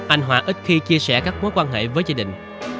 anh hòa ít khi chia sẻ các mối quan hệ với gia đình